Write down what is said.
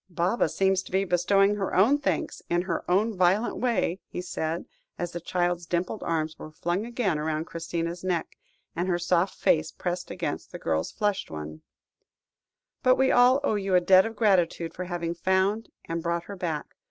"Baba seems to be bestowing her own thanks in her own violent way," he said, as the child's dimpled arms were flung again round Christina's neck, and her soft face pressed against the girl's flushed one; "but we all owe you a debt of gratitude for having found, and brought her back.